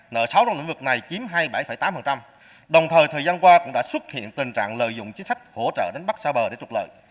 nợ sáu trong lĩnh vực này chiếm hai mươi bảy tám đồng thời thời gian qua cũng đã xuất hiện tình trạng lợi dụng chính sách hỗ trợ đánh bắt xa bờ để trục lợi